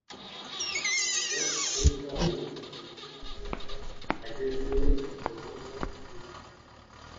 tumubaza ukuri kwayo ndetse n'aho yaba ageze iyo gahunda y'ubukwe